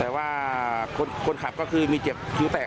แต่ว่าคนขับก็คือมีเจ็บคิ้วแตก